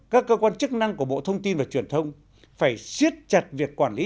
các cơ quan chức năng của bộ thông tin và truyền thông phải siết chặt việc quản lý